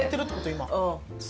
今。